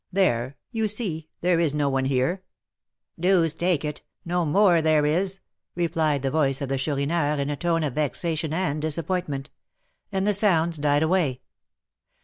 There, you see there is no one here!" "Deuce take it! no more there is," replied the voice of the Chourineur, in a tone of vexation and disappointment. And the sounds died away.